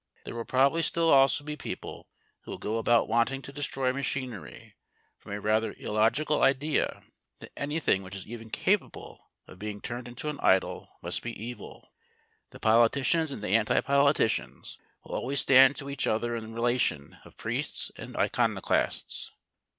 There will probably still also be people who will go about wanting to destroy machinery from a rather illogical idea that anything which is even capable of being turned into an idol must be evil. The politicians and the anti politicians will always stand to each other in the relation of priests and iconoclasts.